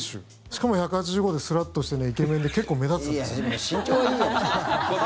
しかも１８５ｃｍでスラッとしてイケメンで結構目立つんです。